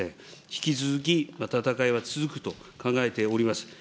引き続き闘いは続くと考えております。